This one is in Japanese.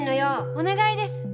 お願いです。